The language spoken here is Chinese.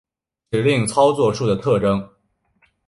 指令操作数的特征